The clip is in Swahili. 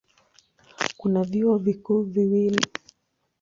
Kuna vyuo vikuu viwili.